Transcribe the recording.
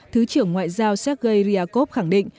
thứ trưởng ngoại giao sergei ryabkov khẳng định